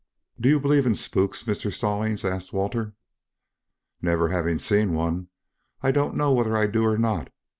"Do you believe in spooks, Mr. Stallings!" asked Walter. "Never having seen one, I don't know whether I do or not.